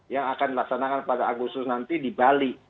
yang akan dilaksanakan pada agustus nanti di bali